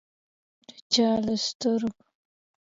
د چا له سترګو